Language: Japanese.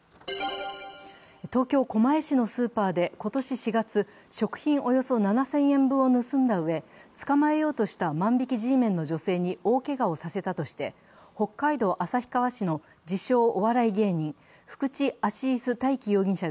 東京・狛江市のスーパーで今年４月、食品およそ７０００円分を盗んだうえ捕まえようとした万引きＧメンの女性に大けがをさせたとして北海道旭川市の自称・お笑い芸人、福地アシイス